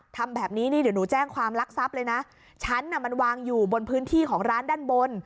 ทำแบบนี้นี่เดี๋ยวหนูแจ้งความลักทรัพย์เลยนะฉันน่ะมันวางอยู่บนพื้นที่ของร้านด้านบน